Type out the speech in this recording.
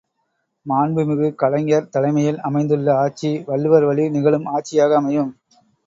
மாண்புமிகு கலைஞர் தலைமையில் அமைந்துள்ள ஆட்சி, வள்ளுவர் வழி நிகழும் ஆட்சியாக அமையும்.